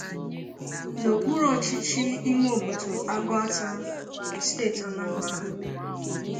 n'okpuru ọchịchị ime obodo Agụata nke steeti Anambra.